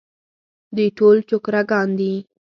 دوی ټول چوکره ګان دي.